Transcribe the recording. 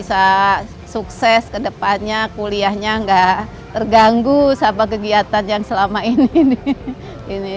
apalagi bisa sukses ke depannya kuliahnya nggak terganggu sama kegiatan yang selama ini